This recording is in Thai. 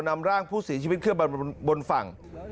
นำร่างผู้สีชีวิตเคลื่อนบนฝั่ง